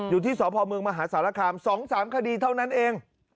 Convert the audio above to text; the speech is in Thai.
อยู่ที่สพเมืองมหาสารคาม๒๓คดีเท่านั้นเอง